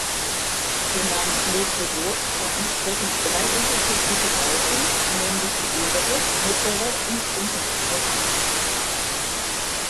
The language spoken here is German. Den Namen Lobdeburg beanspruchen drei unterschiedliche Bauten, nämlich die obere, mittlere und untere Burg.